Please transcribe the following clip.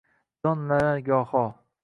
Jonlanar goho: